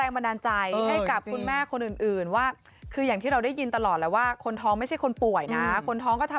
แป๊ปเอนี่ไม่ได้ท้องเนาะ